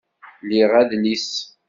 Liɣ adlis